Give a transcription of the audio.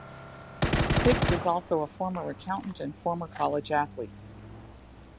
Hicks is also a former accountant and former college athlete.